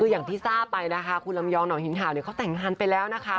อย่างที่ทราบไปคุณลำยองเหนาหินห่าวเขาแต่งงานไปแล้ว